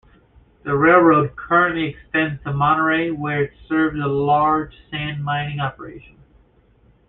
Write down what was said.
The railroad currently extends to Monterey where it serves a large sand mining operation.